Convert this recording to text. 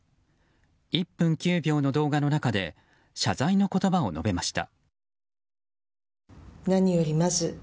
１分９秒の動画の中で謝罪の言葉を述べました。